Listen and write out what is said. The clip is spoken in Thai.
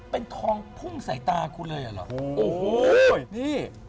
เป็นทองพุ่งใส่ตาคุณเลยอ่ะเหรอโอ้โหนี่